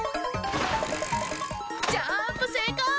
ジャンプせいこう！